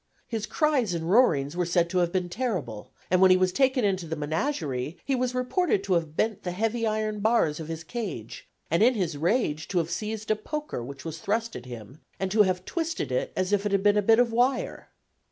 His cries and roarings were said to have been terrible, and when he was taken into the menagerie, he was reported to have bent the heavy iron bars of his cage, and in his rage to have seized a poker which was thrust at him, and to have twisted it as if it had been a bit of wire.